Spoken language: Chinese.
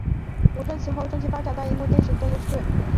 吴尊其后发展重心转战大银幕拍摄电影和电视剧。